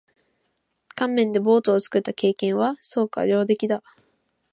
乾麺でボートを作った経験は？そうか。上出来だ。